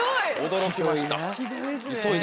驚きました。